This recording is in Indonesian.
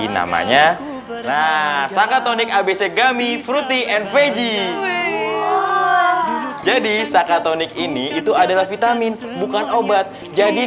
namanya sakatonik abc gummy fruity and veggie jadi sakatonik ini itu adalah vitamin bukan obat jadi